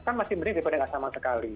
kan masih berdiri daripada nggak sama sekali